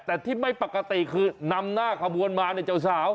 แต่ที่ไม่ปกติคือนำหน้าขบวนมาเนี่ยเจ้าสาว